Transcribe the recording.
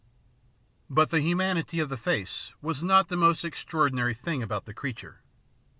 But the humanity of the face was not the most extraordinary thing about the creature.